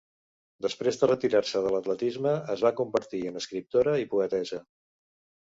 Després de retirar-se de l'atletisme es va convertir en escriptora i poetessa.